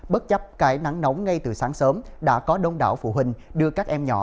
bất chấp cái nắng nóng ngay từ sáng sớm đã có đông đảo phụ huynh đưa các em nhỏ